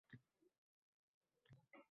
Otashnafas nafrat joylagin.